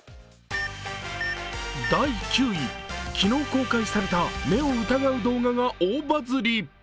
第９位、昨日公開された目を疑う動画が大バズり。